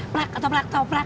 prak kotak prak kotak prak